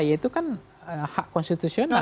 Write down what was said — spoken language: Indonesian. ya itu kan hak konstitusional